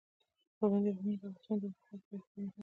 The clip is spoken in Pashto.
پابندی غرونه د افغانستان د اوږدمهاله پایښت لپاره مهم رول لري.